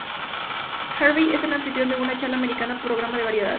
Harvey es el anfitrión de una charla Americana-programa de variedades.